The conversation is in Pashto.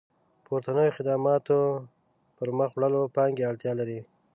پورتنيو خدماتو پرمخ وړلو پانګې اړتيا لري.